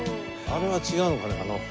あれは違うのかね？